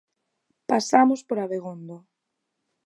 Pasamos por Abegondo.